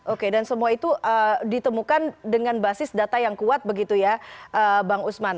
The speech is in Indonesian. oke dan semua itu ditemukan dengan basis data yang kuat begitu ya bang usman